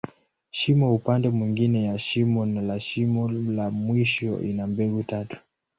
Shimo upande mwingine ya mwisho la shimo la mwisho, ina mbegu tatu.